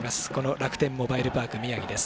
楽天モバイルパーク宮城です。